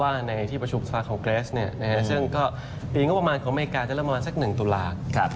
ในที่ประชุมสภาคอลเกรสซึ่งก็ปีงบประมาณของอเมริกาจะเริ่มประมาณสัก๑ตุลาคม